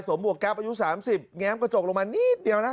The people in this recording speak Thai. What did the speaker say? หมวกแป๊บอายุ๓๐แง้มกระจกลงมานิดเดียวนะ